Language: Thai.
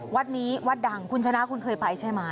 วัดนี้วัดดังคุณชนะคุณเคยไปใช่ไหม